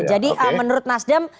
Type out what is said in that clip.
jadi menurut nasdem